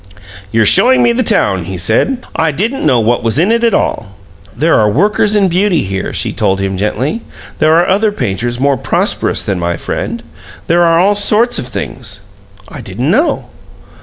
"You're showing me the town," he said. "I didn't know what was in it at all." "There are workers in beauty here," she told him, gently. "There are other painters more prosperous than my friend. There are all sorts of things." "I didn't know."